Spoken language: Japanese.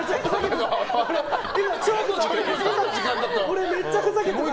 俺めっちゃふざけてました。